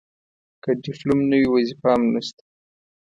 که ډیپلوم نه وي وظیفه هم نشته.